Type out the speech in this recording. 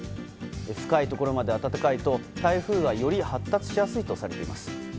深いところまで温かいと台風はより発達しやすいとしています。